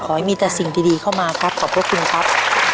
ให้มีแต่สิ่งดีเข้ามาครับขอบพระคุณครับ